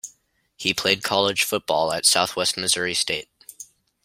He played college football at Southwest Missouri State.